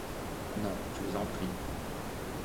Non, je vous en prie.